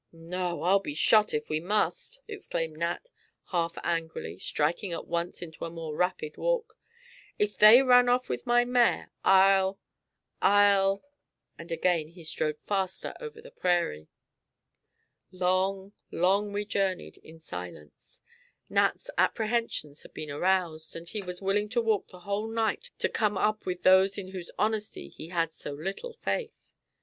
"No; I'll be shot, if we must!" exclaimed Nat, half angrily, striking at once into a more rapid walk. "If they run off with my mare, I'll I'll " and again he strode faster over the prairie. Long long, we journeyed in silence. Nat's apprehensions had been aroused, and he was willing to walk the whole night to come up with those in whose honesty he had so little faith.